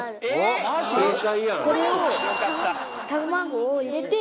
この卵を入れて。